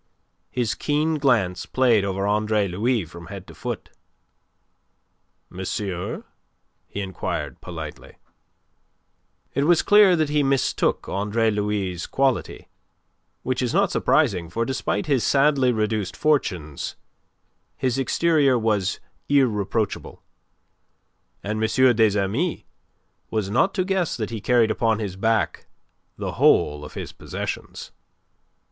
His keen glance played over Andre Louis from head to foot. "Monsieur?" he inquired, politely. It was clear that he mistook Andre Louis' quality, which is not surprising, for despite his sadly reduced fortunes, his exterior was irreproachable, and M. des Amis was not to guess that he carried upon his back the whole of his possessions.